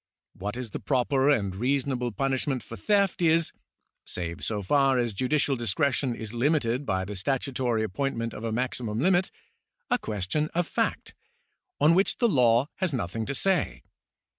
What is the proper and reasonable punishment for theft is (save so far as judicial discretion is limited by the statutory appointment of a maximum limit) a question of fact, on which the law has nothing to say.